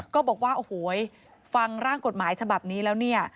ก็บอกว่าโอ้โหฟังร่างกฎหมายฉบับนี้แล้วเนี่ย